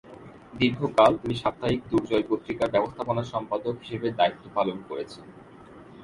দীর্ঘকাল তিনি সাপ্তাহিক দুর্জয় পত্রিকার ব্যবস্থাপনা সম্পাদক হিসেবে দ্বায়িত্ব পালন করেছেন।